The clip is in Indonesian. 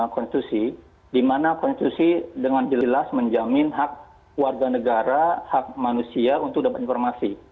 konstitusi dimana konstitusi dengan jelas menjamin hak warga negara hak manusia untuk dapat informasi